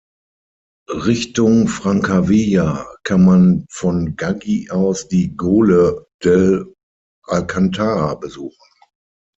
Richtung Francavilla kann man von Gaggi aus die Gole dell’Alcantara besuchen.